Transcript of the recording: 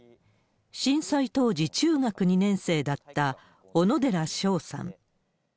震災当時、中学２年生だった小野寺翔さん。